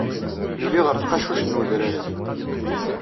Yuli ɣer tqacuct n udrar-nni.